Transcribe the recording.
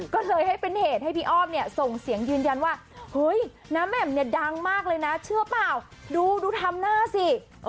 ก็เลยให้เป็นเหตุให้พี่อ้อมเนี่ยส่งเสียงยืนยันว่าเฮ้ยน้าแหม่มเนี่ยดังมากเลยนะเชื่อเปล่าดูดูทำหน้าสิ